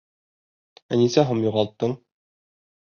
— Ә нисә һум юғалттың?